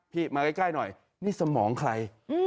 มาใกล้หน่อยนี่สมองใคร